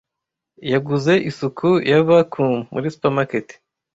Yaguze isuku ya vacuum muri supermarket.